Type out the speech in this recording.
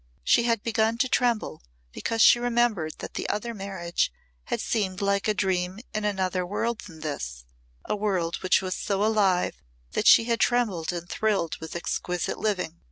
She had begun to tremble because she remembered that the other marriage had seemed like a dream in another world than this a world which was so alive that she had trembled and thrilled with exquisite living.